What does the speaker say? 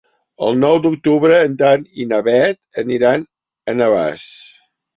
El nou d'octubre en Dan i na Bet aniran a Navàs.